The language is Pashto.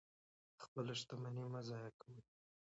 خپله شتمني مه ضایع کوئ.